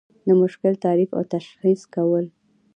د مشکل تعریف او تشخیص کول.